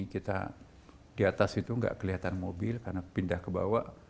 kita di atas itu nggak kelihatan mobil karena pindah ke bawah